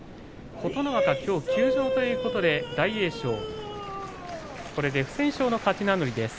琴ノ若きょう休場ということで大栄翔、不戦勝です。